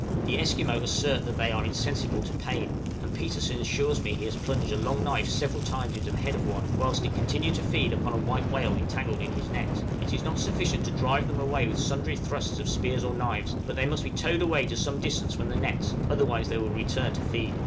The Esquimaux assert that they are insensible to pain; and Petersen assures me he has plunged a long knife several times into the head of one whilst it continued to feed upon a white whale entangled in his net!! It is not sufficient to drive them away with sundry thrusts of spears or knives, but they must be towed away to some distance from the nets, otherwise they will return to feed.